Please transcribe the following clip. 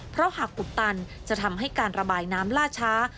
เพราะหากอุดตันจะทำให้การระบายน้ำล่าช้า